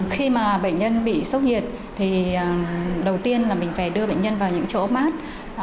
khi mà bệnh nhân bị sốc nhiệt thì đầu tiên là mình phải đưa bệnh nhân vào những chỗ mát